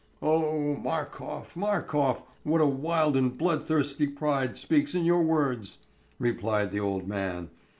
"O Markof, Markof, what a wild and bloodthirsty pride speaks in your words!" replied the old man.